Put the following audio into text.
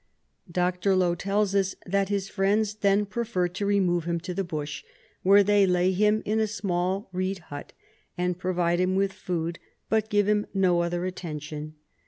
Dr. Low tells us that his friends then prefer to remove him to the bush, where they lay him in a small reed hut and provide him with food, but give him no other attention.